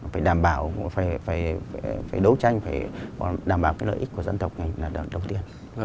phải đảm bảo đấu tranh phải đảm bảo cái lợi ích của dân tộc này là đầu tiên